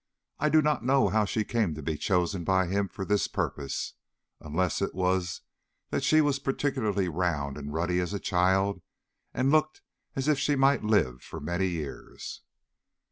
I do not know how she came to be chosen by him for this purpose, unless it was that she was particularly round and ruddy as a child, and looked as if she might live for many years."